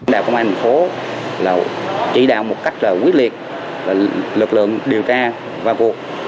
đạo công an tp chỉ đạo một cách quyết liệt lực lượng điều tra và cuộc